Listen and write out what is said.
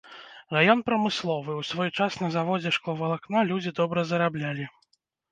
Раён прамысловы, у свой час на заводзе шкловалакна людзі добра зараблялі.